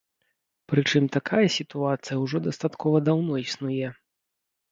Прычым такая сітуацыя ўжо дастаткова даўно існуе.